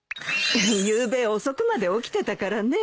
ゆうべ遅くまで起きてたからね。